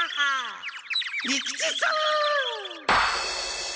利吉さん！